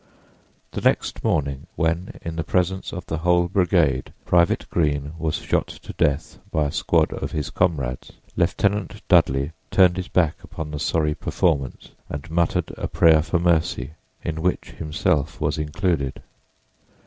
The next morning, when in the presence of the whole brigade Private Greene was shot to death by a squad of his comrades, Lieutenant Dudley turned his back upon the sorry performance and muttered a prayer for mercy, in which himself was included.